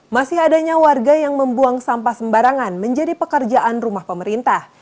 masih adanya warga yang membuang sampah sembarangan menjadi pekerjaan rumah pemerintah